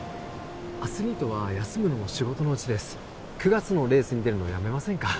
アスリートは休むのも仕事のうちです９月のレースに出るのやめませんか？